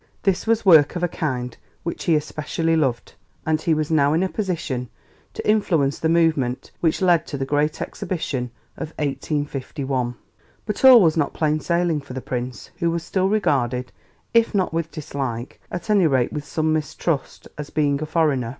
This was work of a kind which he especially loved, and he was now in a position to influence the movement which led to the Great Exhibition of 1851. [Illustration: Prince Albert F.X. Winterhalter Photo Emery Walker Ltd.] But all was not plain sailing for the Prince, who was still regarded, if not with dislike, at any rate with some mistrust, as being a foreigner.